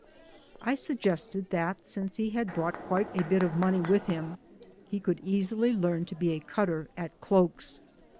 I suggested that, since he had brought quite a bit of money with him, he could easily learn to be a cutter at cloaks.